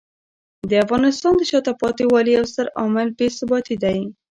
د افغانستان د شاته پاتې والي یو ستر عامل بې ثباتي دی.